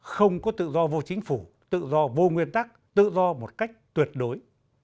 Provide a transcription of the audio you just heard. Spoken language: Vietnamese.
không có tự do vô chính phủ tự do vô nguyên tắc tự do một cách tuyệt đối